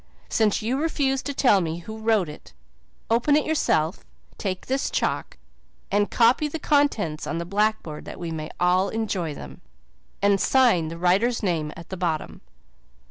Since you refuse to tell me who wrote it, open it yourself, take this chalk, and copy the contents on the blackboard that we may all enjoy them. And sign the writer's name at the bottom."